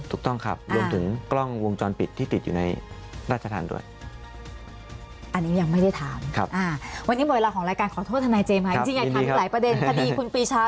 จริงทั้งหลายประเด็นคดีคุณปีชาด้วยนะเมื่อสักครู่นี้ขอบคุณทางนายเจมส์ตอนนี้ก่อนนะคะ